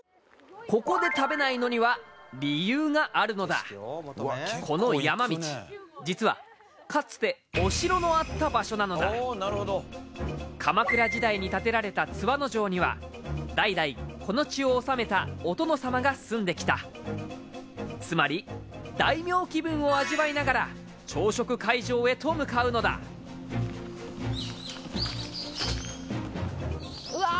ここで食べないのには理由があるのだこの山道実はかつてお城のあった場所なのだ鎌倉時代に建てられた津和野城には代々この地を治めたお殿様が住んできたつまり大名気分を味わいながら朝食会場へと向かうのだうわ